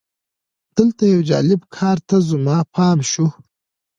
دلته یو جالب کار ته زما پام شو.